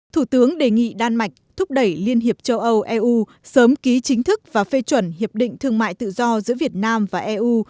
thủ tướng đề nghị đan mạch thúc đẩy liên hiệp châu âu eu sớm ký chính thức và phê chuẩn hiệp định thương mại tự do giữa việt nam và eu